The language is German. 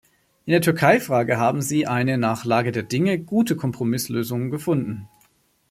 In der Türkeifrage haben Sie eine nach Lage der Dinge gute Kompromisslösung gefunden.